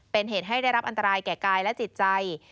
เป็นเหตุให้ได้รับอันตรายแก่กายและจิตใจ